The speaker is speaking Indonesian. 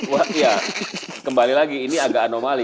wah iya kembali lagi ini agak anomali